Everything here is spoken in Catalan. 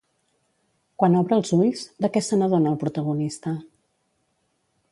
Quan obre els ulls, de què se n'adona el protagonista?